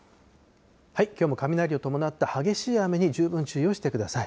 きょうも雷を伴った激しい雨に十分注意をしてください。